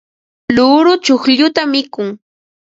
luuru chuqlluta mikun.